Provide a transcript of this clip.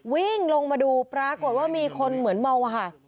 วิ่งลงมาดูปรากฏว่ามีคนเหมือนเมาอะค่ะ